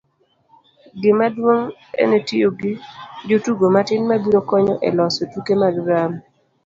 gimaduong' en tiyo gi jotugo matin mabiro konyi e loso tuke mag drama